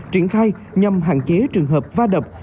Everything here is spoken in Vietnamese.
triển khai nhằm hạn chế trường hợp va đập